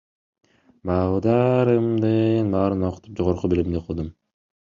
Балдарымдын баарын окутуп жогорку билимдүү кылдым.